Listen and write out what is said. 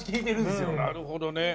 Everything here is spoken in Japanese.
なるほどね。